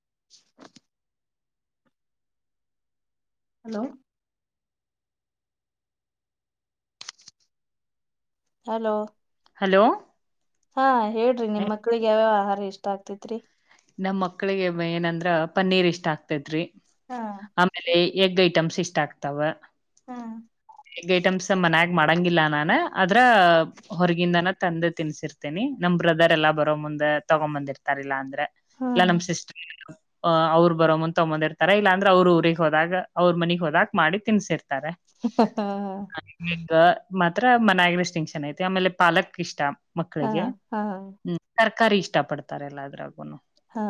[unintelligible] Hello hello hello ಹಾ ಹೇಳ್ರಿ ನಿಮ್ ಮಕ್ಳಿಗೆ ಯಾವ್ಯಾವ ಆಹಾರ ಇಷ್ಟ ಆಗ್ತಿತ್ರಿ ನಮ್ ಮಕ್ಳಿಗೆ ಏನಂದ್ರ ಪನ್ನೀರ್ ಇಷ್ಟ ಆಗ್ತೇದ್ರಿ ಹಾ ಆಮೇಲೆ ಎಗ್ ಐಟಮ್ಸ್ ಇಷ್ಟ ಆಗ್ತಾವ ಹಾ ಎಗ್ ಐಟಮ್ಸ್ ಮನ್ ಮಾಡಂಗಿಲ್ಲ ನಾನ ಅದ್ರ ಹೊರಗಿಂದನ ತಂದೆ ತಿನ್ಸಿರ್ತೇನಿ ನಮ್ ಬ್ರದರ್ ಎಲ್ಲಾ ಬರೋ ಮುಂದೆ ತಗೊ್ ಬಂದಿರ್ತಾರಿಲ್ಲಾ ಅಂದ್ರೆ ಹಾ ಇಲ್ಲ ನಮ್ಮ ಸಿಸ್ಟರ್ ಅ್ ಅವ್ರು ಬರೋ ಮುಂತ ತಗಂದಿರ್ತಾರ ಇಲ್ಲಾಂದ್ರೆ ಅವ್ರ ಊರಿಗೆ ಹೋದಾಗ ಅವ್ರರು ಮನಗ್ ಹೋದಾಗಕ್ ಮಾಡಿ ತಿನ್ಸಿರ್ತಾರೆ ತ ಹಂಗ ಮಾತ್ರ ಮನ್ಯಾಗ ಸ್ಟಿಂಕ್ಷನ್ ಐತಿ ಆಮೇಲೆ ಪಾಲಕ್ ಇಷ್ಟ ಹಾ ಮಕ್ಕಳಿಗೆ ಹಾ ಹ್ಮ ತರ್ಕಾರಿ ಇಷ್ಟ ಪಡ್ತಾರೆಲ್ಲ ಅದ್ರಾಗುನು ಹಾ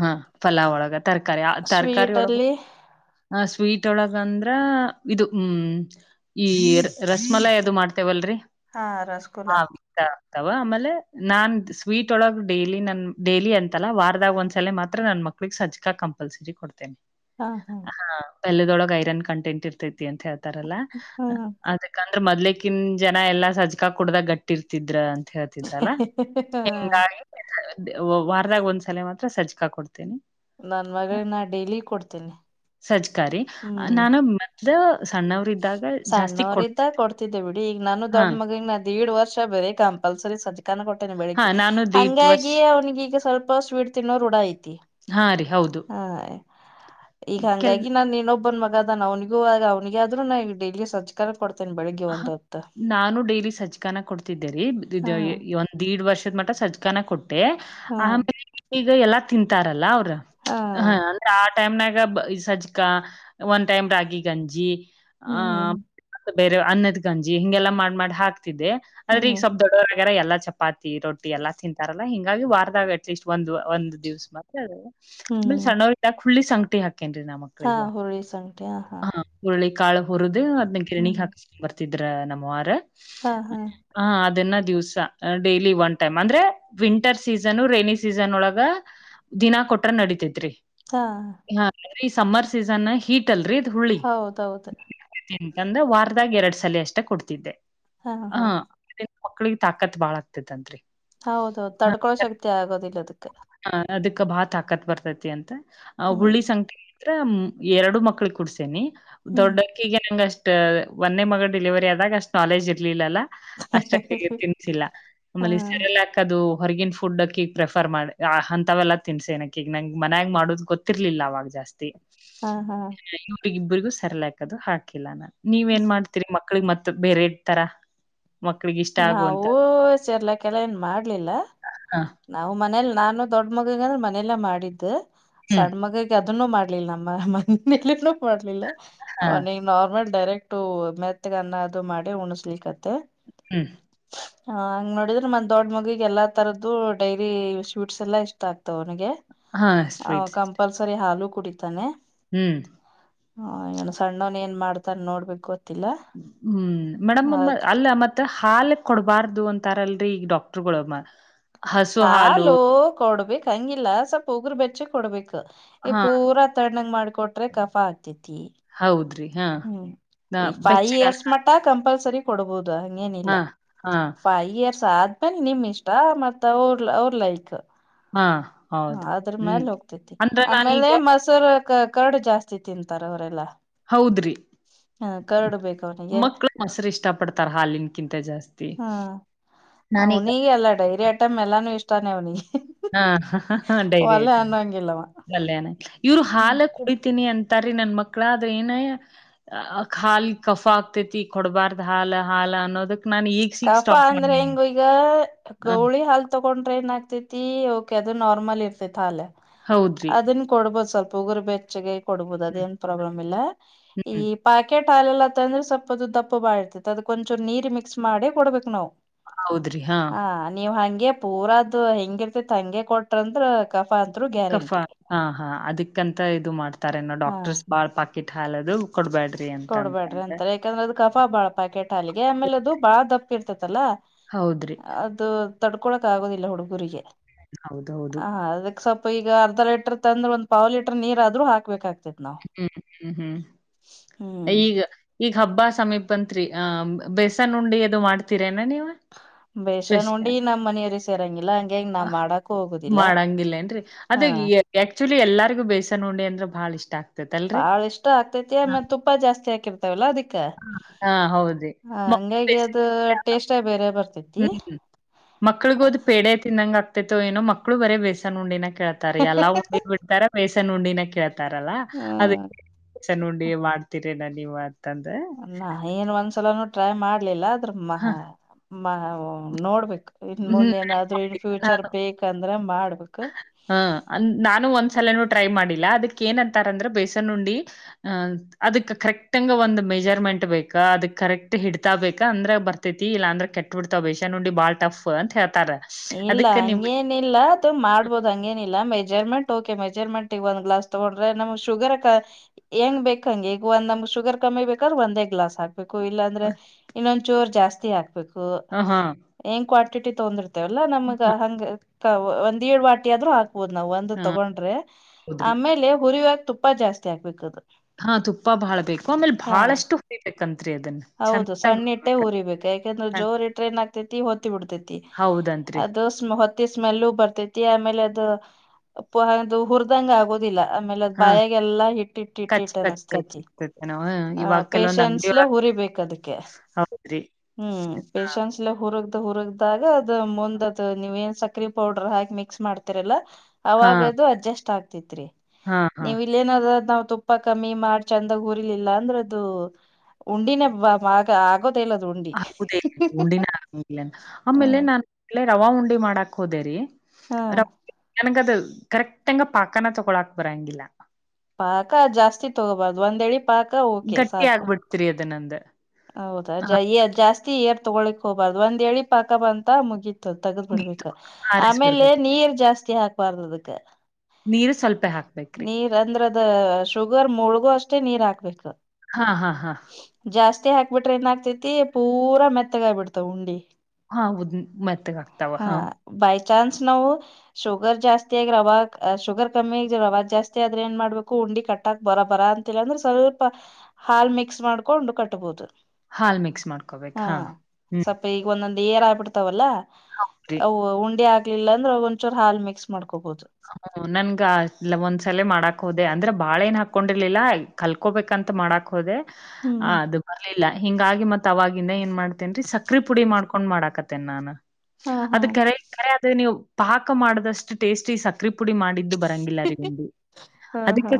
ಹಾ ಪಫಲಾವ್ ಒಳಗ ತರಕಾರಿ ತರಕಾರಿ ಸ್ವೀಟ್ ಒಳಗ ಅಲ್ಲಿ ಆ ಸ್ವೀಟ್ ಒಳಗ ಅಂದ್ರ ಇದು ಹ್ಮ್ ಈ ರಸಮಲ ಯದು ಮಾಡ್ತೇವಲ್ರರಿ ಹಾ ರಸಗುಲ್ಲಾ ಆಗ್ತವ ಆಮೇಲೆ ನಾನ್ ಸ್ವೀಟ್ ಒಳಗ್ ಡೈಲಿ ನನ್ ಡೈಲಿ ಅಂತಲ್ಲ ವಾರದಾಗ ಒಂದ್ಸಲ ಮಾತ್ರ ನನ್ ಮಕ್ಳ ಮಕ್ಳಿಗೆ ಸಜಕಾ ಕಂಪಲ್ಸರಿ ಕೊಡ್ತೇನೆ ಹಾ ಹಾ ಹಾ ಪಲ್ದೊಳಗ್ ಐರನ್ ಕಂಟೆಂಟ್ ಇರ್ತೇತಿ ಅಂತ ಹೇಳ್ತಾರಲ್ಲಾ ಹ್ಮ್ ಅದಕ್ಕಂದ್ರೆ ಮೊದ್ಲಿಕ್ಕಿನ್ ಜನ ಎಲ್ಲ ಸಜ್ಕಾ ಕುಡ್ದಾಗ ಗಟ್ಟಿ ಇಟ್ಟಿರ್ತಿದ್ರ ಅಂತ ಹೇಳ್ತಿದ್ರಲ್ಲಾ ಹ ಹೆಂಗ ವಾರದಾಗ ಒಂದ್ಸಲ ಮಾತ್ರ ಸಜ್ಜ್ಕಾ ಕೊಡ್ತೇನಿ ನನ್ ಆ ಮಗಳ ನಾ ಡೈಲಿ ಕೊಡ್ತೇನೆ ಸಜ್ಕಾರಿ ನಾನ ಮದ ಸಣ್ಣವ್ರ ಸಣ್ಣವ್ರಿಂದ ಕೊಡ್ತಿದ್ದೆ ಬಿಡಿ ಈಗ ನಾನು ಹಾ ದೊಡ್ಡ ಮಗನ್ ನದ್ಏಡ್ ವರ್ಷ ಬರ ಕಂಪಲ್ಸರಿ ಸದ್ಕನ ಕೊಟ್ಟೇನೆ ಹಾ ಬೆಳಿಗ್ಗೆ ನಾನು ದೀಟ್ ವರ್ಷ ಹಂಗಾಗಿ ಅವನಿಿಗೆ ಈಗ ಸ್ವಲ್ಪ ಸ್ವೀಟ್ ತಿನ್ನೋರ್ ರೂಡ ಐತಿ ಹಾ ರಿ ಹೌದು ಹ ಈಗ ಕೆಲ್ ಹಂಗಾಗಿ ನಾನನ್ ನೀನೊಬ್ಬನ್ ಮಗದಾನ ಅವನಿಗೆ ಗ ಅವನಿಗೆ ಆದ್ರೂ ನವು ಡೈಲಿ ಸಜ್ಜ ತಂದ ಕೊಡ್ತನೆ ಬೆಳಗ್ಗೆ ಹ ನಾನು ಡೈಲಿ ಸಜ್ಕನ ಕೊಡ್ತಿದ್ದೇರಿ ಹಾ ದೀಡ್ ವರ್ಷದ ಮಟ್ಟ ಸಜ್ಕನ ಕೊಟ್ಟೆ ಹಾ ಆಮೇಲೆ ಈಗ ಎಲ್ಲಾ ತಿಂತಾರಲ್ಲ ಅವ್ರ ಹಾ ಹ ಅಂದ್ರೆ ಆ ಟೈಮ್ನಾಗ ಸಜ್ಜಕಾ ಒಂದ್ ಟೈಮ್ ರಾಗಿ ಗಂಜಿ ಆ ಹ್ಮ್ ಬೇರೆ ಅನ್ನದ್ ಗಂಜಿ ಹಿಂಗೆಲ್ಲಾ ಮಾಡ್ ಮಾಡಿ ಹಾಕ್ತಿದ್ದೆ ಆದ್ರೆ ಈಗ ಹ್ಮ್ ಸ್ವಪ್ ದೊಡ್ಡವರಗ್ಯಾರ ಎಲ್ಲ ಚಪಾತಿ ರೊಟ್ಟಿ ಎಲ್ಲಾ ತಿಂತಾರಲ್ಲಾ ಹಿಂಗಾಗಿ ವಾರದಾಗ ಅಟ್ಲೀಸ್ಟ್ ಒಂದು ಒಂದು ದಿವಸ ಮ ಆಮೇಲೆ ಹ್ಮ್ ಸಣ್ಣ ಹುಳ್ಳಿ ಸಂಕಟಿ ಹಾಕೇನ್ೀ ನಮ ಹಾ ಹುಳಿ ಸಂಗಟಿ ಹ ಹಾ ಉುರುಳಿ ಕಾಳು ಹುಿದ್ ಅದ್ನ ಗಿರ್ರಣಿ ಹ್ಮ್ ಹಾಕಸ್ಕೊಂಡ್ ಬರ್ತಿದ್ರ ನಮ್ಮ್ವಾರ ಹಾ ಹಾ ಹ ಅದನ್ನ ದಿವ್ಸ ಡೈಲಿ ಒನ್ ಟೈಮ್ ಅಂದ್ರೆ ವಿಂಟರ್ ಸೀಸನ್ ರೈನಿ ಸೀಸನ್ ಒಳಗ ದಿನಾ ಕೊಟ್ರ ನಡತತ್ ಹಾ ಹಾ ಅ್ರ ಈ ಸಮ್ಮರ್ ಸೀಸನ್ ಹೀಟ್ ಅಲ್ರರಿ್ ಹೌದೌದು ಹುಳಿಂತಂದ್ರ ವಾರ್ತೆ ಎರಡ್ ಸಲ ಅಷ್ಟ ಕೊಡ್ತಿದ್ದೆ ಹಾ ಹ ಹಾ ಅ ಮಕ್ಳಿಗೆ ತಾಕತ್ ಬಾಳ ಆಗ್ತದನ್ರಿ ಹೌದೌ ತಡ್ಕೊ ಶಕ್ತಿ ಆಗೋದಿಲ್ಲ ಅದಕ್ಕೆ ಹ ಅದಕ್ಕೆ ಭಾತ್ ಹಾಕತ್ ಬರ್ತೈತಿ ಅಂತ ಆ ಹ್ಮ್ ಹುಳ್ಳಿ ಸಂಖ್ಯ ಎರಡು ಮಕ್ಳ ಕುಡ್ಸೇನಿ ಹ್ಮ್ ದೊಡ್ಡಕ್ಕಿಗೆ ನಂಗ ಅಷ್ಟ ಒಂದೇ ಮಗ ಡಿಲಿವರಿ ಆದಾಗ ಅಷ್ಟ್ ನಾಲೆಜ್ ಇರ್ಲಿಲ್ಲಲ್ಲಾ ಅಷ್ಟ ತಿನ್ಸಿಲ್ಲ ಹಾ ನಮ್ಮಲ್ಲಿ ಸರೆಲ್ಲ ಯ ಅದು ಹೊರಗನ್ ಫುಡ್ಕ ಈಗ ಪ್ರಿಫರ್ ಮಾಡಿ ಅಂತವೆೆಲ್ಲಾ ತಿನ್ಸಿ ಏಕ ಈಗ ನಂ ಮನ್ಯಾಗ ಮಾಡೋುದು ಗೊ. ರ್ಲಿಲ್ಲ ಅವಾಗ ಜಾಸ್ತಿ ಹಾ ಹಾ ಒಗ ಇಬ್ಬರಿಗೂ ಸರಲಾಕದು ಹಾಕಿಲ್ಲ ನಾನ್ ನೀವ ಏನ್ ಹ್ಮ್. ಮಾಡ್ತಿೀರಿ ಮಕ್ಳಗ್ ಮತ್ತತ್ ಬೇರೆಡ್ತರ ನವುೂ ಸೇರ್ಲಾ ಕೆಲ ಏನ್ ಮಾಡ್ಲಿಲ್ಲ ಹಾ ನಾವು ಮನೇಲ್ ನಾನು ದೊಡ್ಡ ಮಗ ಅಂದ್ರೆ ಮನೆಯಲ್ಲಾ ಮಾಡಿದ್ದು ಹ್ಮ್ ಸಣ್ಣ ಮಗ ಅದನ್ನು ಮಾಡ್ಲಿಲ್ಲ ನಮ್ಮ ಮನೆಯಲ್ಲಿ ಮಾಡ್ಲಿಲ್ಲ ಹ ಅವನ ನಾರ್ಮಲ್ ಡೈರೆಕ್ಟ್ ಮೆತ್ತಗನ್ನ ಅದು ಮಾಡಿ ಉಣಸ್ಲಿಿಕತ್ತ ಹ್ಮ್ ಹ ಹಂಗ್ ನೋಡಿದ್ರೆ ಮಂದ್ ದೊಡ್ ಮಗಿಗೆ ಎಲ್ಲಾ ತರದ ಡೈರಿ ಸ್ವೀಟ್ಸ್ ಎಲ್ಲ ಇಷ್ಟ ಆಗ್ತಾವ ಅವನಿಗೆ ಹಾ ಸ್ವೀಟ್ಸ್ ಇಷ್ಟ ಪಲ್ಸರಿ ಹಾಲು ಕುಡಿತಾನೆ ಹ್ಮ್ ಹಾ ವನ ಸಣ್ಣವನ್ ಏನ್ ಮಾಡ್ತಾನ ನೋಡ್ಬೇಕು ಗೊ ಹ್ಮ್ ಮೇಡಮ್ ಅಲ್ಲ ಮತ್ತೆ ಹಾಲ ಕೊಡಬಾರ್ದು ಅಂತಾರಲ್ರರಿ ಈಗ ಡಾಕ್ಟರ್ಗಳುಬ್ಮ್ಮ ಹಾಲೋ ಕೌಡಬೇಕ ಹಂಗಿಲ್ಲ ಸ್ವಲ್ಪ ಉಗುರು ಬೆಚ್ಚ ಕೊಡ್ಬೇಕು ಈ ಹಾ ಪೂರ ತಡಗ ಮಾಡ್ಕೊಟ್ರೆ ಕಫ ಆಗ್ತತಿ ಹೌದ್ರಿರೀ ಹ್ಮ್ ಈ ಫೈ ಇಯರ್ಸ್ ಮಟ್ಟ ಕಂಪಲ್ಸರಿ ಕೊಡಬಹುದು ಹಂಗೇನಿಲ್ಲ ಹಾ ಹಾ ಫೈ ಇಯರ್ಸ್ ಆದ ಅ ನಿಮ್ ಇಷ್ಟ ಮತ್ ಅವರು ಅವ್ರ ಲೈಕ್ ಹಾ ಹ ಹೌದು ಅದ್ರ ಮ್ಯಾಲ ಹ್ಮ್ ಹೋಗ್ತೇತಿ ಅಂದ್ರ ಆಮೇಲೆ ನಾನೀಗ ಮೊಸರು ಕರ್ಡು ಜಾಸ್ತಿ ತಿಂತಾರ ಅವರೆಲ್ಲಾ ಹೌದ್ರಿ ಹ ಕರ್ಡ್ ಬೇಕ ಅವನಿಗೆ ಮಕ್ಕಳು ಮೊಸರು ಇಷ್ಟ ಪಡ್ತಾರ ಹಾಲಿನಕಿಂತ ಜಾಸ್ತಿ ಹಾ ನಾನೀಗ ಅವನಿಗೆ ಎಲ್ಲ ಡೈರಿ ಐಟಮ್ ಎಲ್ಲಾನು ಇಷ್ಟಾನೆ ಅವ್ನಿಗೆ ಹಾ ಹ ಡೈರಿ ಐ ಅನ್ನಂಗಿಲ್ಲವ ಕಲ್ಯಾಣ ಇವ್ರು ಹ್ಮ್ ಹಾಲ ಕುಡಿತೀನಿ ಅಂತ ತರರಿ ನನ್ ಮಕ್ಳ ಆದ್ರೆ ಏನ ಹಾಲ ಕಫ ಆಗ್ತೇತಿ ಕೊಡ್ಬಾರ್ದ ಹಾಲ ಹಾಾಲ ಅನ್ನೋದಕ್ ನಾನ್ ಈಗ್ ಸಿಗ್ ಕಫ ಸ್ಟಾಪ್ ಅಂದ್ರೆ ಮಾಡೇನಿ ಹೆಿಂಗ ಈಗ ಹ ಗೌಳಿ ಹಾಲ್ತ ತೊಂಡ್ರ ನ್ ಆಗ್ತತಿ ಕೆ ಅದು ನಾರ್ಮಲ್ ಇರ್ತೈತಿ ಹಾಲ ಹೌದ್ರಿ ಅದನ್ ಕೊಡ್ಬೋಹದು ಸ್ವಲ್ಪ ಪಗರು ಬೆಚ್ಚಗೆ ಕೊಡಬಹುದು ಹ್ಮ್ ಅದೇನ್ ಪ್ರಾಬ್ಲಮ್ ಇಲ್ಲ ಈ ಹ್ಮ್ ಪಾಕೆಟ್ ಹಾಲೆಲ್ಲ ತಂದ್ರ ಸ್ವಲ್ಪದು ದಪ್ಪ ಬಾಳ ಇರ್ತತೆ ಅದಕ ಕೊಂಚ ನೀರಿ ಮಿಕ್ಸ್ ಮಾಡಿ ಕೊಡ್ಬೇಕು ನಾವು ಹಾ ನೀವ ಹಂಗೆ ಪೂರದ್ ಹೆಂಗಿರ್ತಿತಿ ಹಂಗೆ ಕೊಟ್ರಂದ್ರ ಕಫ ಅಂತ ಕಫಾ ಹಾ ಹಾ ಅದಕ್ಕಂತ ಇದು ಮಾಡ್ತಾರೆನ ಹಾ ಡಾಕ್ಟರ್ಸ್ ಬಾಳ್ ಪಾಕಿಟ್ ಹಾಲದು ಕೊಟ್ಟಬ್ಯಾಡ್ರಿ ಅಂತ ಕೊಡ್ಬೇಡ್ರಿ ಅಂತಂದ ಅಂತಾರೆ ಯಾಕಂದ್ರ ಅದ್ ಕಫಾ ಬಾಳ ಪ್ಯಾಕೆಟ್ ಹಾಲಿಗೆ ಆಮೇಲೆ ಅದು ಬಾಳ ದಪ್ಪ ಇರ್ತತೆಲ್ಲಾ ಹೌದ್ರಿ ತಡ್ಕೊಳಕ್ ಆಗುದಿಲ್ಲ ಹುಡುಗುರಿಗೆ ಹೌದೌದು ಹ ಅದಕ್ಕೆ ಸ್ವಪ ಈಗ ಅರ್ಧ ಲೀಟರ್ ತಂದ್ರ ಒಂದ್ ಪಾವ ಲೀಟರ್ ನೀರ್ ಆದ್ರೂ ಹಾಕ್ಬೇಕಾಗ್ತತ್ ನಾವ್ ಹ್ಮ್ ಹ್ಮ್ ಹ್ಮ್ ಹ್ಮ್ ಈಗ ಈಗ ಹಬ್ಬ ಸಮೀಪ ಬಂತ್ರಿ ಆ ಬೇಸನ ಉಂಡಿ ಅದು ಮಾಡ್ತೀರೇನಾ ನೀವು ಬೇಸನ್ ಉಂಡಿ ನಮ್ಮ್ ಮನೆಯವರಿಗೆ ಸೇರಂಗಿಲ್ಲಾ. ಅ ಮಾಡಂಗಿಲ್ಲೇನ್ರಿ ಅದ ಹಾ ಎ ಆಕ್ಚುಲಿ ಎಲ್ಲರಿಗೂ ಬೇಸನ್ ಉಂಡಿ ಅಂದ್ರ ಬಹಳ ಇಷ್ಟ. ಆಗ್ತೇತಲ್ರಿ? ಬಾಳ ಇಷ್ಟ ಆಗ್ತೈತಿ ಹಾ. ಆಮೇಲೆ ತುಪ್ಪ ಜಾಸ್ತಿ ಹಾಕಿರ್ತಿ ಲ್ಲ ಅದಕ್ಕೆ ಹಾ ಹೌದ್ರಿ. ಮಕ್ಳು ಹಂಗಾಗಿ ಬೇಸನ್ ಅದು ಟೇಸ್ಟ್ ಬೇರೆ ಬರ್ತಿತಿ ಹ್ಮ್ ಮಕ್ಳಿಗೋದ್ ಪೇಡೆ ತಿನ್ನಂಗ ಆಗ್ತೈತೋ ಏನೋ ಮಕ್ಕಳು ಬರೇ ಬೇಸನ ಉಂಡಿನ ಕೇಳ ಎಲ್ಲ ಉಂಡಿ ಬಿಡ್ತಾರೆ ಬೇಸನ್ ಉಂಡಿನ ಕೆಳ್ತಾ ಅಂತಾರಲ್ಲ ಅದಕ ಹ್ಮ್ ಬೇಸನ್ ಉಂಡಿ ಮಾಡ್ತೀರೆನ್ ನೀವ ಅಂತಂದ ನಾ ಏನ್ ಒಂದ್ಸಲ ಟ್ರೈ ಮಾಡ್ಲಿಲ್ಲ ಆದ್ರ ಹ ಮ ನೋಡ್ಬೇಕು. ಇನ್ ಮುಂದ ಹ್ಮ್ ಏನಾದ್ರು ಇನ್ ಫ್ಯೂಚರ್ ಬೇಕಂದ್ರೆ ಮಾಡ್ಬೇಕ ಹ್ಮ ಅಂದ ನಾನು ಒಂದ್ಸಲನು ಟ್ರೈ ಮಾಡಿಲ್ಲ ಅದಕ್ಕ ಏನಂತಾರಂದ್ರ ಬೇಸನ್ ಉಂಡಿ ಹ ಅದಕ್ ಕರೆಕ್ಟ್ಂಗ ಒಂದ್ ಮೆಜರ್ಮೆಂಟ್ ಬೇಕ ಅದಕ್ ಕರೆಕ್ಟ್ ಹಿಡ್ತಾ ಬೇಕಾ ಅಂದ್ರ ಬರ್ತ ತಿ ಇಲ್ಲ ಅಂದ್ರೆ ಕೆಟ್ಟ ಬಿಡ್ತವ ಬೇಸನ್ ಉಂಡಿ ಬಾಳ್ ಟಫ್ ಅಂತ ಹೇಳ್ತಾರೆ ಇಲ್ಲ ಹಂಗೇನ ಇಲ್ಲ ಅದು ಮಾಡ್ಬೋದು ಹಂಗೇನಿಲ್ಲ ಮೆಜರ್ಮೆಂಟ್ ಟೊಕೆ ಮೆಜರ್ಮೆಂಟ್ ಒಂದ್ ಗ್ಲಾಸ್ ತಗೊಂಡ್ರೆ ನಮಗೆ ಶುಗರ್ ಹೆಂಗ್ ಬೇಕ ಹಂಗೆ ಈಗ ಒಂದ್ ಶುಗರ್ ಕಮ್ಮಿ ಬೇಕರ ಒಂದೇ ಗ್ಲಾಸ್ ಹಾ ಕು ಇಲ್ಲಾ ಅಂದ್ರೆ ಇನ್ನೊಂದ ಚೂರ್ ಜಾಸ್ತಿ ಹಾಕ್ಬೇಕು ಹಾ ಹಾ ಏನ್ ಕ್ವಾಂಟಿಟಿ ತೊಂದ್ರ ಇಂಥವೆಲ್ಲ ನಮ್ಗ ಹಂಗ ಒಂದ್ ಏಳ ವಾಟಿ ಆದ್ರೂ ಹಾಕ ಹು ನಾವ್ ಒಂದ ಹಾ ತಗೊಂಡ್ರೆ ಹೌದ್ರಿ. ಆಮೇಲೆ ಹುರಿಯುವಾಗ ತುಪ್ಪ ಜಾಸ್ತಿ ಹಾಕ್ಬೇಕ ಅದ ಹಾ ತುಪ್ಪ ಬಾಳ್ ಬೇಕು ಆಮೇಲ್ ಬಾಳಷ್ಟು ಹುರಿಬೇಕಂತ್ರಿ ಅದನ್ ಹೌದು ಸಣ್ಣ ಇಟ್ಟೇ ಹುರಿಬೇಕು ಯಾಕೆಂದ್ರೆ ಜೋರಿ ಟ್ರೈನ್ ಆಗ್ತೈತಿ ಹೊತ್ತಿ ಬಿಡ್ತೈತಿ. ಹೌದನ್ರಿ ಹೊತ್ತಿದ ಸ್ಮೆಲ್ ಬರ್ತೈತಿ ಆಮೇಲೆ ಅದು ಪ ಹ ಅದು ಹದಂಗ ಆಗೋದಿಲ್ಲ ಆಮೇಲೆ ಅದ ಹಾ ಬಾಯಾಗಲ್ಲ ಹಿಟ್ಟಿಟ್ಟ ಕಚ್ ಹಿಟ್ಟಿಟ್ಟು ಕಚ್ ಕಚ್ ಅನಿಸಸ್ತೈತಿ ಇರ್ತೈತೆನೋ ಆ ಇವಾಗ್ ಕೆಲವೊಂದ್ ಪೇಶನ್ಸ್ಲೆೇ ಅಂಗಡಿಯೊಳಗ್ ಹುರಿಬೇಕ ಅದಕ್ಕೆ ಹೌದ್ರಿ ಹ್ಮ್ ಪೇಶನ್ಸ್ಲೆ ಹುರಗ್ದ ಹುರಗ್ದಾಗ ಅದ್ ಮುಂದ್ ಅದು ನೀವ್ ಏನ್ ಸಕ್ರೆ ಪೌಡರ್ ಹಾಕಿ ಮಿಕ್ಸ್ ಮಾಡ್ತ ಲ್ಲಾ ಹಾ ಅವಾಗದು ಅಡ್ಜಸ್ಟ್ ಆಗ್ತೈತ್ರಿ ಹಾ ಹಾ ಏನಾರ್ ನಾವ್ ತುಪ್ಪ ಕಮ್ಮಿ ಮಾಡಿ ಚಂದಾಗ ಹುರಿಲಿಲ್ಲ ಅಂದ್ರೆ ಅದು ಉಂಡಿನೆ [unintelligible] ಆಗತ್ ಲ್ಲ ಹುಂಡಿ ಆಗುವುದೇ ಇಲ್ಲ ಇದು ಉಂಡಿನ ಆಗಾಗಿಲ್ಲ ಆಮೇಲೆ ಹ್ಮ್ ನಾನು ಇದರ್ಲೆ ರವ ಉಂಡಿ ಮಾಡಾಕ್ ಹೋದೇರಿ ಹಾ ರ ನನ್ಗದು ಕರೆಕ್ಟ್ ಅಂಗ ಪಾಕನ ತಗೊಳಾಕ್ ಬರಂಗಿಲ್ಲ ಪಾಕ ಜಾಸ್ತಿ ತಗೋಬಾರ್ದು ಒಂದಳಿ ಗಟ್ಟಿ ಆಗ್ಬಿಡ್ತರಿ ಅದ ನಂದ ಹೌದಾ ಹ ಏ ಜಾಸ್ತಿ ಏರ್ ತಗೋಳಿಕ್ ಹೋಗಬಾರ್ದು ಒಂದಳಿ ಪಾಕ ಬಂತ ಮುಗ ತಗದ್ ಮುಗೀತು ಬಿಡ್ಬೇಕು ಆಮೇಲೆ ಆರಿಸ್ಬಿಡ್ಬೇಕ ನೀರ್ ಜಾಸ್ತಿ ಹಾಕ್ಬಾರ್ದ ಅದಕ್ ನೀರ್ ಸ್ವಲ್ಪ ಹಾಕ್ಬೇಕ್ರಿ ಅಂದ್ರದ ಶುಗರ್ ಮುಳಗು ಅಷ್ಟೇ ನೀರ್ ಹಾಕ್ಬೇಕು ಹಾ ಹಾ ಹಾ ಜಾಸ್ತಿ ಹಾಕ್ಬಿಟ್ರೆ ಏನ್ ಆಕ್ತೇತಿ ಪೂರಾ ಮೆತ್ತಗಾಯಬಿಡ್ತಾವ ಉಂಡಿ ಹಾೌದ ಮತ್ತಗ ಆಗ್ತಾವ ಹಾ ಹ ಬೈ ಚಾನ್ಸ್ ನಾವು ಶುಗರ್ ಜಾಸ್ತಿಿಯಗ ರವ ಶುಗರ್ ಕಮ್ಮಿ ಆಗ ರವ ಜಾಸ್ತಿ ಆದ್ರೆ ಏನ್ ಮಾಡ್ಬೇಕು ಉಂಡಿ ಕಟ್ಟ ಕಟ್ಟಕ್ ಬರ ಬರ ಅಂತಿಲ್ಲ ಅಂದ್ರೆ ಸ್ವಲ್ಪ ಹಾಲ್ ಮಿಕ್ಸ್ ಮಾಡ್ಕೊಂಡು ಕಟ್ಬಹುದು ಹಾಲ್ ಮಿಕ್ಸ್ ಮಾಡ್ಕೋಬೇಕಕ್ ಹಾ ಹ್ಮ್ ಸ್ವಲ್ಪ ಈಗ ಒಂದೊಂದ್ ಏರ್ ಆಗ್ಬಿಡ್ತಾವಲ್ಲ ಹೌದ್ರಿ ಅ ಉಂಡೆ ಆ ಲ್ಲ ಅಂದ್ರೆ ಒಂದಚೂರು ಹಾ ಮಕ್ಸ್ ಮಾಡಕೋಬಹುದು ಹ ನನ್ಗ ಇಲ್ಲ ಒಂದ್ಸಲ ಮಾಡಾಕ್ ಹೋದೆ ಅಂದ್ರೆ ಬಾಳ ಏನ್ ಹಾಕೊಂಡಿರ್ಲಿಲ್ಲಾ ಕಲ್ಕೋಬೇಕಂತ ಮಾಡಾಕ್ ಹೋದೆ ಹ್ಮ್ ಆ ಅದು ಬರ್ಲಿಲ್ಲ ಹಿಂಗಾಗಿ ಮತ್ತತ್ ಅವವಾಗಿಂದ ಏನ್ ಮಾಡ್ತೇನ್ರೀ ಸಕ್ರೆ ಪುಡಿ ಮಾಡ್ಕೊಂಡ್ ಮಾಡಾಕತ್ತೇನ್ ನಾನು ಹಾ ಹಾ ಅದ ಕರೆ ಕರೆ ಅದ ನೀವು ಪಾಕ ಮಾಡದಷ್ಟು ಟೇಸ್ಟಿ ಸಕ್ ತ್ರಿಪುಡಿ ಮಾಡಿದ್ದು ಬರಂಗಿಲ್ಲ ಅರಿಗಂದು ಹಾ ಹಾ ಅದಕ್ಕೆ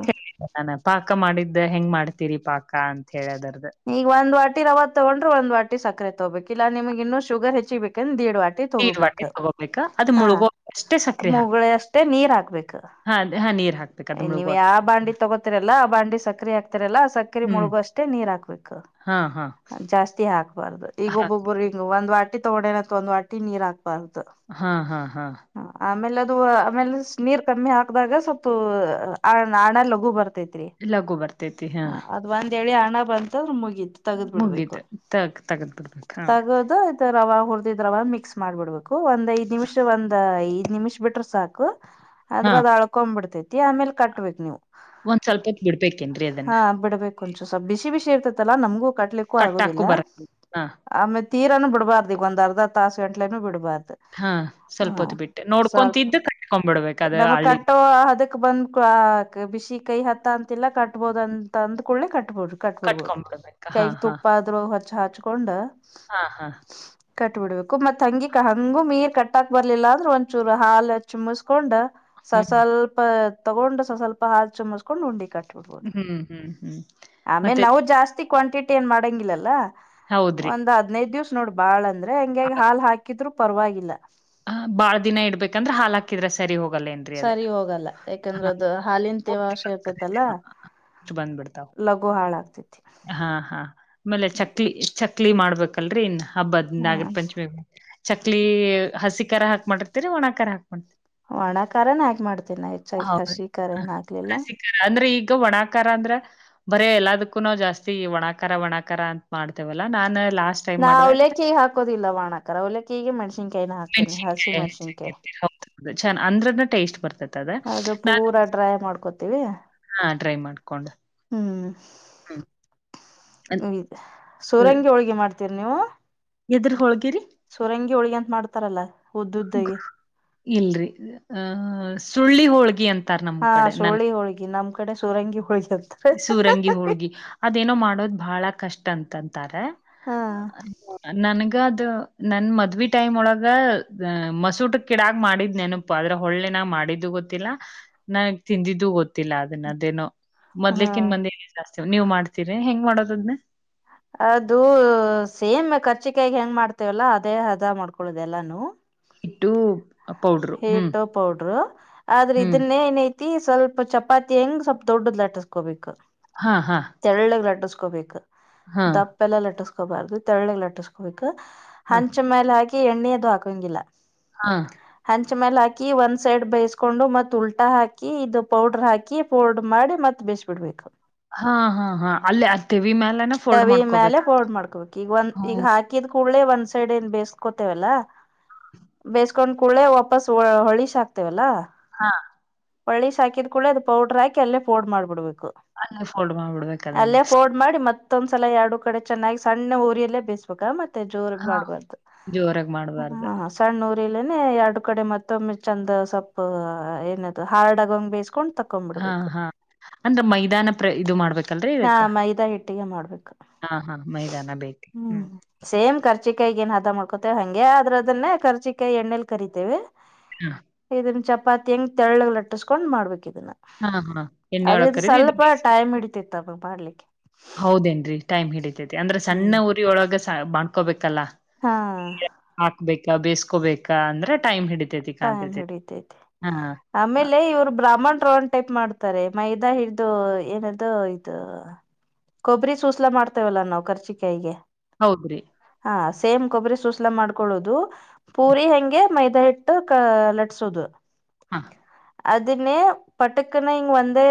ಅಾನ ಪಾಕ ಮಾಡಿದ್ದ ಹೆಂಗ್ ಮಾಡ್ತೀರಿ ಪಾಕ ಅಂತ ಹೇಳ ಅದರ್ ಈಗ ಒಂದ್ ವಾ ರವ ತೊಗೊಂಡ್ರೆ ಒಂದ್ ವಾ ಸಕ್ಕರೆ ತಗೋಬೇಕಕ್ ಇಾ ನಿಮ್ಗ್ ಇನ್ನುೂ ಶುಗರ್ ಹೆಚ್ಚಿಬೇಕಂದ್ರ ದೇಡ್. ನೀರ್ ವಾಟಿ ತಗೋಬೇಕು ತಗೋಬೇಕ ಅದು ಹ ಮುಳುಗೋ ಅಷ್ಟೇ ಸಕ್ರಿ ಹಾಕ್ ಮುಳೆ ಅಷ್ಟೇ ನೀರ್ ಹಾಕ್ಬೇಕು ಹಾ ಹಾ ನೀ ಹಾತದೆ ನೀವ ಯಾವ ಬಾಂಡಿ ತಗೋತಿರಲ್ಲ ಆ ಬಾಂಡಿ ಸಕರೆ ಹಾಕ್ತಿರಲ್ಲ ಆ ಸಕ್ಕರೆ ಹ್ಮ್ ಮುಳುಗು ಅಷ್ಟೇ ನೀರ್ ಹಾಕುದು ಹಾ ಹಾ ಜಾಸ್ತಿ ಹಾಕ್ಬಾರ್ದು ಈಗ ಒಬ್ಬೊಬ್ಬರು ಈಗ ಒಂದ್ ವಾಿ ತಗೊಂಡೇನತ್ತ ಒಂದ್ ವಾಿ ನೀರ್ ಹಾಕ್ಬಾರ್ದು ಹಾ ಹಾ ಹಾ ಹ ಆಮೇಲೆ ಅದು ಆಮೇಲೆ ನೀರ್ ಕಮ್ಮಿ ಹಾಕದಾಗ ಸ್ವಲ್ಪ ಆ ನಾಣ ಲಗು ಬರ್ತೈತಿ ಎಲ್ಲಗೋ ಬರ್ತೈತಿ ಹಾ ಒಂದ್ಳಿ ಹಣ್ಣ ಬಂತಂದ್ರೆ ಮುಗೀತು ತಗದ್ ಮುಗಿತ ಬಿಡ್ಬೇಕು ತ ತಗದ್ ಬಿಡ್ಬೇಕಕ್ ಹ ರವ ಹುದ್ ರವ ಮಿಕ್ಸ್ ಮಾಡ್ಬಿಡ್ಬೇಕು ಒಂದ್ಐ್ ನಿಮಿಷ ಒಂದ್ ಐದ ನಿಮಿಷ ಬಿಟ್ರ ಸಾಕು ಅಂದ್ರ ಹಾ ಅದ ಅಳ್ಕೊಂಡ್ ಬಿಿಡ್ತ ಆಮೇಲೆ ಕಟ್ಬೇಕ ನೀವು ಒಂದ್ ಸ್ವಲ್ಪ ಹೊತ್ ಬಿಡ್ಬೇಕೇನ್ರೀ ಅದನ್ನ ಹ ಬಿಡ್ಬೇಕು ಒಂಚು ಸ್ ಬಿಸಿ ಬಿಸಿ ಇರ್ತತಲ್ಲಾ ನಮ್ಗೂ ಕಟ್ಲಿಕ್ಕೂ ಕಟ್ಟಾಕು ಆಗೋುದಿಲ್ಲ ಬರ ಹಾ ಆಮೇ ತೀರಾನನು ಬಿಬಾರ್ದ ಈಗ ಒಂದ್ ಅರ್ಧರ್ ತಾಸ ಗಂಟ್ಲನುೂ ಬಿಡ್ಬಾರ್ದು ಹಾ ಸ್ವಲ್ಪ ಹಾ ಹೊತ್ ಬಿಟ್ಟೆ ಸ್ವಲ್ಪ ನೋಡ್ಕೊಂತಿದ್ದು ಕಟ್ಕೊಂಡ್ ಬಿಡ್ಬೇಕು ಅದ ನಮಗ್ ಹಳ್ಳಿ ಕಟ್ಟೋ ಅದಕ್ ಬಂದ್ ಬಿಸಿ ಕೈ ಹತ್ತ ಅಂತಿಲ್ಲಾ ಕಟ್ಬೋದ ಅಂತ ಅಂದ್ ಕಡ್ಲೆ ಕಟ್ಬೋದ್ರ ಕಟ್ಬಿಡ್ಬಹದು ಕಟ್ಕೊಂಡ್ಬಿಡ್ಬೇಕ ಹಾ ಕೈಗೆ ಹಾ ತುಪ್ಪ ಆದ್ರೂ ಹಚ್ಚ ಹಚ್ಕೊಂಡ ಹಾ ಹಾ ಕಟ್ಬಿಡ್ಬೇಕು ಮತ್ ಹಂಗಿ ಹಂಗೂ ಮೀರ್ ಕಟ್ಟಾಕ್ ಬರ್ಲಿಲ್ಲ ಅಂದ್ರೆ ಒಂದಚೂರು ಹಾಲ ಚುಮಸ್ಕೊಂಡ್ ಸ ಹ್ಮ್ ಸ್ವಲ್ಪ ತಗೊಂಡ ಸ ಸ್ವಲ್ಪ ಹಾಚು ಮಸ್ ಡ ಉಂಡಿ ಕಟ್ಟಬಿಡ್ಬೋದು ಹ್ಮ್ ಹ್ಮ್ ಹ್ಮ್ ಆಮೇಲೆ ಮತ್ತೆ ನೋವು ಜಾಸ್ತಿ ಜತಿ ಕ್ವಾಂಟಿಟಿ ಏನ್ ಮಾಡೋಂಗಿಲ್ಲಲ್ಲ ಹೌದ್ರಿ ಒಂದ ಹದ್ನೈದು ದಿವಸ ನೋಡ್ ಬಾಳ ಅಂದ ಹಂಗೆ ಹಾಲ್ ಹಾಕಿದ್ರು ಪರವಾಗಿಲ್ಲ ಬಾಳ ದಿನ ಇಡ್ಬೇಕಂದ್ರೆ ಹಾ ಹಾಕಿದ್ರ ಸರಿ ಹೋಗಲ್ಲಂತ ಸರಿ ಹೋಗಲ್ಲ ಯಾಕಂದ್ರೆ ಅದು ಹಾಲಿನಂತೆೇವಶ ಇರ್ತೈತಲ್ಲ ಬಂದ್ಬಿಡ್ತಾವ ಲಘು ಹಾಳಾಗ್ತತಿ ಹಾ ಹಾ ಆಮೇಲೆ ಚಕ್ಲಿ ಚಕ್ಲಿ ಮಾಡ್ಬೇಕಲ್ರರಿ ಇನ್ ಹಬ್ಬದ ಹ ನಾಗರ ಪಂಚಮಿ ಚಕ್ಲಿ ಹಸಿಖರ ಹಾಕ್ ಮಾಡಿರ್ತಿರಿ ಒಣಾಖರ ಹಾಕ್ ಮಾಡ್ತರಿ ಒಣ ಕಾರ ಹಾಕಿ ಮಾಡ್ತನ ಹೆಚ್ಚಾಗಿ ಹೌದು. ಹಸಿ ಖಾರನ ಆಗ್ಲಿಲ್ಲ ಹಸಿ ಅಂದ್ರೆ ಈಗ ಒಣಾಕಾರ ಅಂದ್ರ ಬರೇ ಎಲ್ಲದಕ್ಕೂ ನಾ ಜಾಸ್ತಿ ಒಣಾಕಾರ ಒಣಾಕಾರ ಅಂತ ಮಾಡ್ತೇವಲ್ಲಾ ನಾನ್ ಲಾಸ್ಟ್ ಟೈಮ್ ನಾ ಮಾಡ್ದಾಗ ಅವಲೆಕಿ ಹಾಕೋದಿಲ್ಲ ವ ಒಾಣಾಕಾರರ ಅವಲೆಕ್ಕಾಯಿಗೆಗೆ ಮೆಣಸಿನ್ಕಾಯನ ಹಾಕ್ತೀನಿ ಹಸಿ ಮಣಸಿನ್ಕಾಯಿ ಚನ್ ಅಂದ್ರನ ಟೇಸ್ಟ್ ಬರ್ತತಿ ಅದು ಪೂರಾ ಡ್ರೈ ಮಾಡ್ಕೋತೀವಿ ಹಾ ಟ್ರೈ ಮಾಡ್ಕೊಂಡು ಹ್ಮ್ ಅದ್ ಅ ಸೂರಂಗಿ ಹೋಳ್ಗಿ ಮಾಡ್ತೀರಿ ನೀವು ಎದ್ರ ಹೋಳ್ಗಿರಿ ಸುರಂಗಿ ಹೋಳಗ ಅಂತ ಮಾಡ್ತಾರಲ್ಲ ಉದ್ದುದ್ದಾಗಿ ಇಲ್ರಿ ಆಹ ಸುಳ್ಳಿ ಹೋಳ್ಗಿ ಅಂತ ಹಾ ಸುಳಿ ಹೋಳ್ಗಿ ನಮ್ ಕಡೆ ಸುರಂಗಿ ಹೋಳ್ಗಿ ಅಂತ ಸೂರಂಗಿ ಹುಳ್ಗಿ ಅದೇನೋ ಮಾಡೋದು ಬಹಳ ಕಷ್ಟ ಅಂತಂತಾರೆ ಹಾ ನನ್ಗ ಅದು ನನ್ ಮದ್ವಿ ಟೈಮ್ ಒಳಗ ಮಸೂಟ್ ಕಿಡಕ್ ಮಾಡಿದ್ ನೆನು ಆದ್ರೆ ಒಳ್ಳೆ ನಾ ಮಾಡಿದ್ದು ಗೊತ್ತಿಲ್ಲ ನಾ ತಿಂದಿದ್ದೂ ಗೊತ್ತಿಲ್ಲ ಅದನ್ನದೇನು ಹಾ ಮೊದ್ಕ್ಕಕನ್ ಮಂದ ಜಾಸ್ತಿ ನೀವು ಮಾಡ್ತೀರಿ ಹೆಂಗ ಮಾಡೋದ್ನೆ ಅದು ಸೇಮ್ ಕರ್ಚಿಕಾಯಗೆ ಹೆಂಗ್ ಮಾಡ್ತೇವಲ್ಲ ಅದೇ ಹದ ಮಾಡ್ಕೊಳದೆ ಎಲ್ಲಾನ ಇಟ್ಟು ಹಏಟೋ ಪೌಡ್ರು ಆದ್ರೆ ಹ್ಮ್ ಇದನ್ನ ಏನೈತಿ ಸ್ವಲ್ಪ ಚಪಾತಿ ಹೆಂಗ್ ಸ್ವಲ್ಪ ದೊಡ್ಡದ್ ಲಟಸ್ಕೋಬೇಕು ಹಾ ಹಾ ತೆಳ್ಳಿಗ್ ಲಟ್ಟಸ್ಕೋಬೇಕು ಹಾ ದಪ್ಪ ಎಲ್ಲ ಲಟ್ಟಸ್ಕೋಬಾರ್ದು ತೆಳ್ಳಗ್ ಲಟ್ಟಸ್ಕೋಬೇಕ ಹಾ ಹಂಚ ಮೇಲೆ ಹಾಕಿ ಎಣ್ಣೆದು ಹಾಕಂಗಿಲ್ಲ ಹಾ ಹೆಂಚ ಮೇಲೆ ಹಾಕಿ ಒಂದ್ ಸೈಡ್ ಬೇಯಸ್ಕೊಂಡು ಮತ್ ಉಲ್ಟಾ ಹಾಕಿ ಇದು ಪೌಡ್ರರ್ ಹಾಕಿ ಫೋಡ್ ಮಾಡಿ ಮತ್ ಬೇಿಸಬ ಕೊಡ್ಬೇಕು ಹಾ ಹಾ ಹಾ ಅಲ್ಲೇ ಅತೇವಿ ಮ್ಯಲೆ ಚವಿ ಮೇಲೆ ಪೋರ್ಡ್ ಮಾಡ್ಕೋಬೇಕು ಈಗ ಒಂದ ಈಗ ಹ್ಮ್ ಹಾಕ ಿದ ಕೂಳ್ಳೆ ಒಂದ್ ಸೈಡ್ ಏನ್ ಬೇಕೋತೇವಲ್ಲ ಬೇ ಕೊಂಡ್ ಕೂಳ್ಳೆ ವಾಪಸ್ ಹೊಳಶ್ಾಕ್ತೇವಲ್ಲಾ ಹಾ ಪಳ್ಳಿ ಸಾಾಕಿದ್ ಕೂಳ್ಳ ಅದು ಪೌಡ್ರ ಹಾಕಿ ಅಲ್ಲೇ ೋಡ್ ಮಾಡ್ಬಿಡ್ಬೇಕು ಅಂಗ ಫೋಲ್ಡ್ ಮಾಡ್ಬಿಡ್ಬೇಕು ಅದನ್ನ ಅಲ್ಲೇ ಫೋಲ್ಡ್ ಮಾಡಿ ಮತ್ತೊಂದ್ಸಲ ಎರಡು ಕಡೆ ಚೆನ್ನಾಗಿ ಸಣ್ಣ ಊರಿಯಲ್ಲೇ ಬೇಸ ಮತ್ತೆ ಜೋರ್ ಹಾ ಮಾಡ್ಬಾರ್ದು ಜೋರಾಗ್ ಮಾಡ್ಬಾರ್ದು ಸಣ್ಣ ಊರಿಲ್ಲನೆ ಎರಡು ಕಡೆ ಮತ್ತೊಮ್ಮೆ ಚಂದ ಸೊಪ್ಪ ಏನದು ಹಾರ್ಡ್ ಆಗಂಗ ಬೇಿಸಸ್ಕೊಂಡು ತಕ್ಕ ಹಾ ಹಾ ಅಂದ್ರೆ ಮೈದಾನ ಪ್ರ ಇದು ಮಾಡ್ಬೇಕು ಹಾ ಮೈದಾ ಹಿಟ್ಟಿಗೆ ಮಾಡ್ಬೇಕು ಹಾ ಹಾ ಮೈದಾನ ಬೇಕೆ ಹ್ಮ್ ಸೇಮ್ ಕರ್ಚಿಕಾಯಿ ಏನು ಹದ ಮಾಡ್ಕೊತೇವ ಹಂಗೆ ಅದ್ರ ಅದನ್ನೇ ಕರ್ಜಿಕಾಯಿ ಎಣ್ಣೆಲ್ ಕರಿತೇವಿ ಹಾ ಇದನ್ ಚಪಾತಿ ಹೆಂಗ್ ತೆಳ್ಳಳಗ್ ಅಟ್ಟಸ್ಕೊಂಡ್ ಮಾಡ್ಬೇಕು ಇದನ್ನ ಹಾ ಹಾ ಆದ್ರೆ ಇದು ಸ್ವಲ್ಪ ಟೈಮ್ ಇಡತಿತ್ತು ಹೌದೇನ್ರರಿ ಟೈಮ್ ಹಿಡಿತೈತಿ ಅಂದ್ರೆ ಹ್ಮ್ ಸಣ್ಣ ಪುರಿ ಒಳಗೆ ಮಾಡ್ಕೋಬೇಕಲ್ಲ ಹಾ ಹಾಕ್ಬೇಕ ಬೇಸ್ಕೋಬೇಕ ಅಂದ್ರೆ ಟೈಮ್ ಹಿಡಿತೇತಿ ಟೈಮ್ ಕಾಣಂತೇತಿ ಹಿಡಿತೈತಿ ಹಾ ಆಮೇಲೆ ಇವ್ರು ಬ್ರಾಹ್ಮಣ್ ರೋನ ಟೈಪ್ ಮಾಡ್ತಾರೆ ಮೈದಾ ಹಿಡಿದು ಏನದು ಇದು ಹ ಕೊಬ್ಬರಿ ಸೂಸ್ಲ ಮಾಡ್ತೇವಲ್ಲ ನಾವು ಕರ್ಚಿಕಾಯಿಗೆ ಹೌದ್ರಿ ಹಾ ಸೇಮ್ ಕೊಬ್ಬರಿ ಸೂಸ್ಲಾ ಮಾಡ್ಕೊೊಳ್ಳೋದು ಪೂರಿ ಹೆಂಗೆ ಮೈದಾ ಹಟ್ಟ ಲಟ್ಸೋದು ಹಾ ಅದನ್ನೇ ಪಟಕನ ಇಂಗ ಬಂದ